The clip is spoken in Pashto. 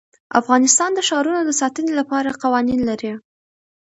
افغانستان د ښارونو د ساتنې لپاره قوانین لري.